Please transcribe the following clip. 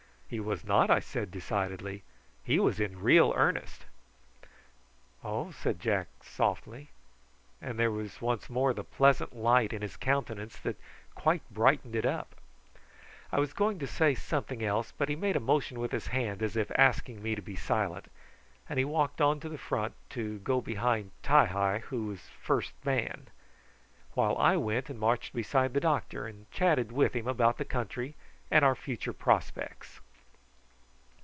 "He was not," I said decidedly. "He was in real earnest." "Oh!" said Jack softly; and there was once more the pleasant light in his countenance that quite brightened it up. I was going to say something else, but he made a motion with his hand as if asking me to be silent; and he walked on to the front to go behind Ti hi, who was first man, while I went and marched beside the doctor, and chatted with him about the country and our future prospects.